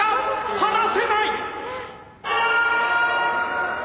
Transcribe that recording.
離せない！